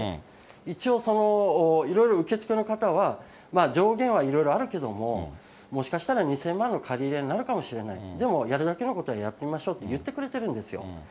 一応、いろいろ受け付けの方は、上限はいろいろあるけれども、もしかしたら２０００万の借り入れになるかもしれない、でもやるだけのことはやってみましょうって言ってくれてるんですよ。